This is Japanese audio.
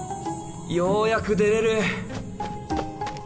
ようやく出れる！